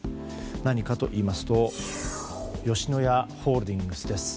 何かといいますと吉野家ホールディングスです。